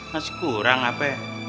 masih kurang apa ya